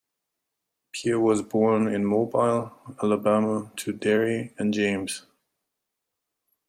Pierre was born in Mobile, Alabama to Derry and James.